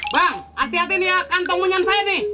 bang hati hati nih ya kantong menyansai nih